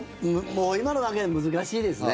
今の段階では難しいですね。